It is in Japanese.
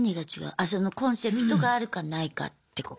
あそのコンセプトがあるかないかってこと？